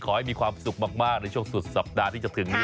ขอให้มีความสุขมากในช่วงสุดสัปดาห์ที่จะถึงนี้